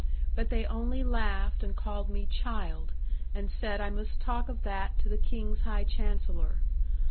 But they only laughed and called me "child," and said I must talk of that to the King's High Chancellor.